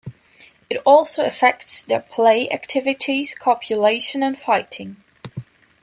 It also affects their play activities, copulation, and fighting.